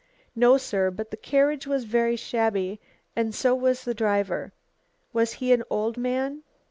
"No, sir. But the carriage was very shabby and so was the driver." "Was he an old man?"